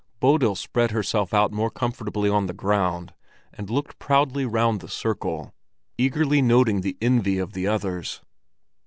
Bodil spread herself out more comfortably on the ground, and looked proudly round the circle, eagerly noting the envy of the others.